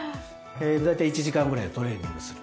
だいたい１時間ぐらいトレーニングする。